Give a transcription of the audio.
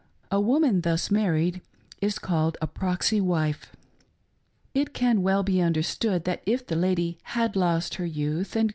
A woman thus< married is, called' a " proxy " wife. It can well be understoodi:, that if the lady had lost her youth and.